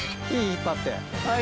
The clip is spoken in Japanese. いい？